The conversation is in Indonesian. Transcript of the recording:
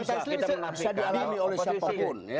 bang taslim bisa diadami oleh siapapun